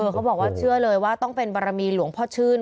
เขาบอกว่าเชื่อเลยว่าต้องเป็นบารมีหลวงพ่อชื่น